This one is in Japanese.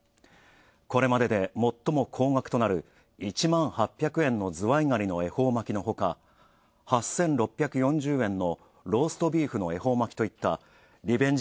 これまでで最も高額となる、１万８００円のズワイガニの恵方巻きのほか、８６４０円のローストビーフの恵方巻きといったリベンジ